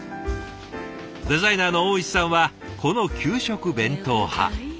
デザイナーの大石さんはこの給食弁当派。